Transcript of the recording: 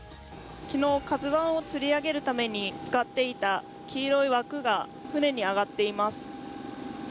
昨日「ＫＡＺＵⅠ」をつり上げるために使っていた黄色い枠が船にあがっています。